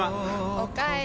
おかえり。